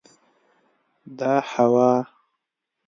دا هوا